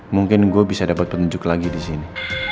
mungkin gue bisa dapat petunjuk lagi disini